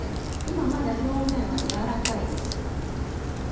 今まだ表面は柔らかいです。